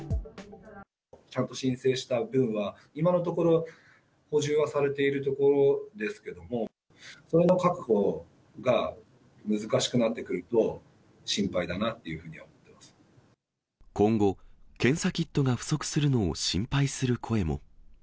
ちゃんと申請した分は、今のところ、補充はされているところですけども、それの確保が難しくなってくると、心配だなってふうには思っていま今後、検査キットが不足するのを心配する声も。